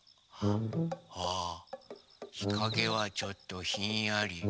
あひかげはちょっとひんやり。